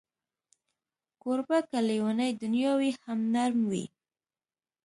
کوربه که لېونۍ دنیا وي، هم نرم وي.